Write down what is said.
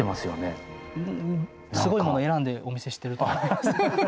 すごいもの選んでお見せしてると思います。